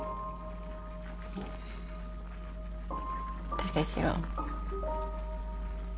武四郎。